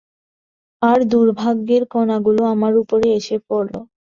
আর দুর্ভাগ্যের কণাগুলো আমার উপরে এসে পড়ল।